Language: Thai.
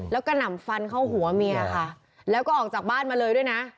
แล้วก็หนำฟันเข้าหัวเมียค่ะแล้วก็ออกจากบ้านมาเลยด้วยนะ